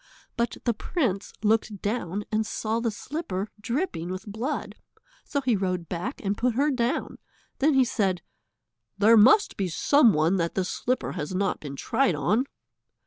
But the prince looked down and saw the slipper dripping with blood, so he rode back and put her down. Then he said, "There must be some one that the slipper has not been tried on."